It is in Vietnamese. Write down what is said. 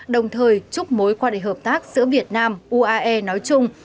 đồng thời chúc mối quan hệ hợp tác giữa việt nam uae nói chung